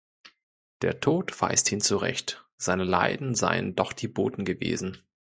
Der Tod weist ihn zurecht: Seine Leiden seien doch die Boten gewesen.